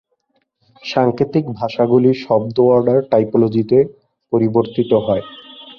সাংকেতিক ভাষাগুলি শব্দ-অর্ডার টাইপোলজিতে পরিবর্তিত হয়।